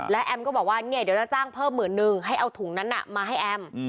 และแอมก็บอกว่าเนี่ยเดี๋ยวจะจ้างเพิ่มหมื่นนึงให้เอาถุงนั้นมาให้แอม